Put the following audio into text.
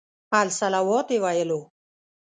الصلواة یې ویلو.